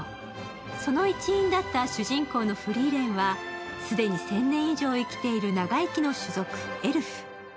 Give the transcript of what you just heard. その一員だった主人公のフリーレンは既に１０００年以上生きている長生きの種族・エルフ。